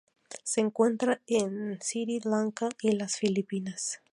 Se encuentra en Sri Lanka y las Filipinas.